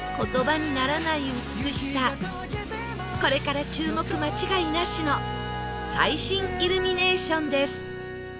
これから注目間違いなしの最新イルミネーションです